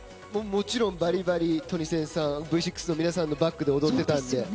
もちろんバリバリトニセンさんＶ６の皆さんのバックで踊っていたんですよ。